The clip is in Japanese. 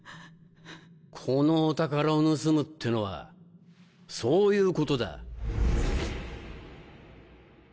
このお宝を盗むってのはそういうことだ。